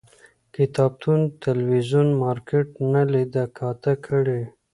کتابتون، تلویزون، مارکيټ نه لیده کاته کړي